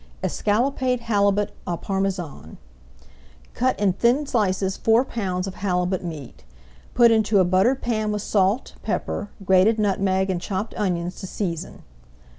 ESCALLOPED HALIBUT AU PARMESAN Cut in thin slices four pounds of halibut meat. Put into a buttered pan with salt, pepper, grated nutmeg, and chopped onions to season.